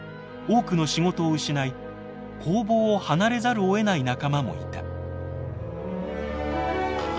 多くの仕事を失い工房を離れざるをえない仲間もいた。